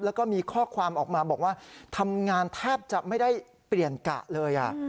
แล้วก็มีข้อความออกมาบอกว่าทำงานแทบจะไม่ได้เปลี่ยนกะเลย